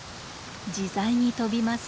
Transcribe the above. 自在に飛びます。